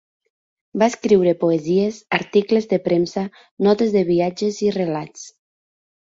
Va escriure poesies, articles de premsa, notes de viatges i relats.